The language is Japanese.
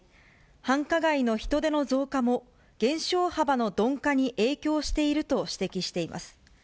繁華街の人出の増加も減少幅の鈍化に影響していると指摘しています。